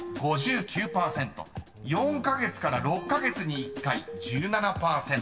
［４カ月から６カ月に１回１７％］